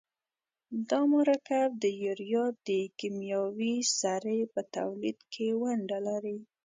دا مرکب د یوریا د کیمیاوي سرې په تولید کې ونډه لري.